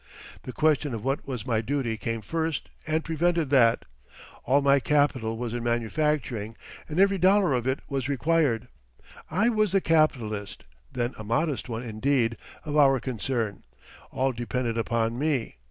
The question of what was my duty came first and prevented that. All my capital was in manufacturing and every dollar of it was required. I was the capitalist (then a modest one, indeed) of our concern. All depended upon me.